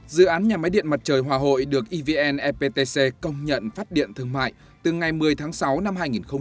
dự án nhà máy điện mặt trời hòa hội được evn eptc công nhận phát điện thương mại từ ngày một mươi tháng sáu năm hai nghìn một mươi chín